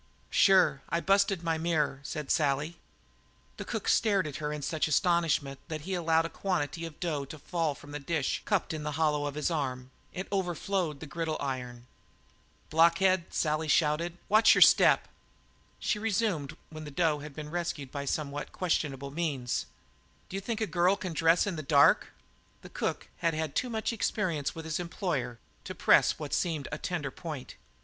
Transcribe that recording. "Sure; I busted my mirror," said Sally. The cook stared at her in such astonishment that he allowed a quantity of dough to fall from the dish cupped in the hollow of his arm; it overflowed the griddle iron. "Blockhead!" shouted Sally. "Watch your step!" She resumed, when the dough had been rescued by somewhat questionable means: "D'you think a girl can dress in the dark?" But the cook had had too much experience with his employer to press what seemed a tender point.